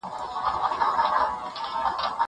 که وخت وي، موبایل کاروم!!